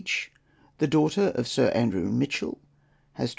each, the daughter of Admiral Sir Andrew Mitchell has 25£.